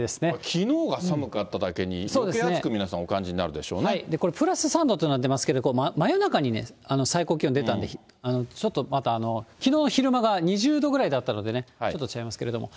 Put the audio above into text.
きのうが寒かっただけに、よけい暑く、皆さん、これ、プラス３度となってますけれども、真夜中にね、最高気温出たんで、ちょっとまたきのう、昼間が２０度ぐらいだったのでね、ちょっと違いますけれども。